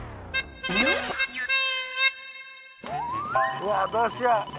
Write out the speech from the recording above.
うわどうしよう。